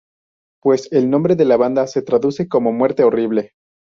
Pues el nombre de la banda se traduce como "muerte horrible".